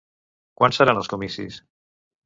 Quan seran els comicis?